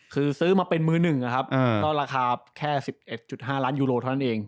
คือซื้อมาเป็นมือหนึ่งนะครับก็ราคาแค่๑๑๕ล้านยูโรเท่านั้นเอง